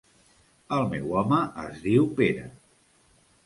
El meu home es diu Pere.